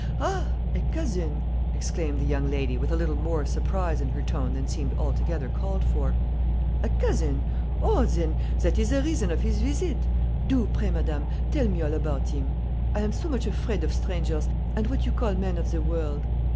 "Ha a cousin!" exclaimed the young lady, with a little more surprise in her tone than seemed altogether called for "a cousin? oh, then, that is the reason of his visit. Do, pray, madame, tell me all about him; I am so much afraid of strangers, and what you call men of the world.